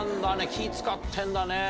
気ぃ使ってんだね。